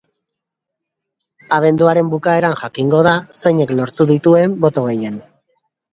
Abenduaren bukaeran jakingo da zeinek lortu dituen boto gehien.